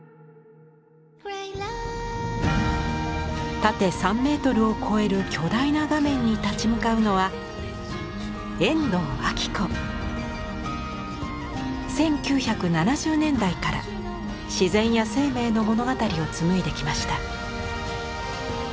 縦３メートルを超える巨大な画面に立ち向かうのは１９７０年代から自然や生命の物語を紡いできました。